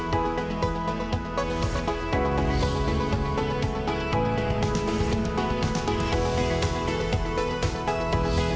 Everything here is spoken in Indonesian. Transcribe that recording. sampai jumpa sekali lagi